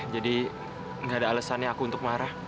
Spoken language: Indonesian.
jadi nggak ada alesannya aku untuk marah